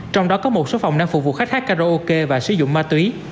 trong đó có một số phòng đang phục vụ khách hát karaoke và sử dụng ma túy